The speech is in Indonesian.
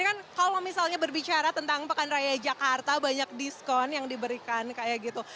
ini kan kalau misalnya berbicara tentang pekaraya jakarta banyak diskon yang diberikan kayak gitu